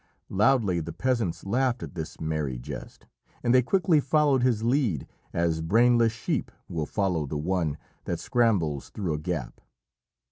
Loudly the peasants laughed at this merry jest, and they quickly followed his lead, as brainless sheep will follow the one that scrambles through a gap.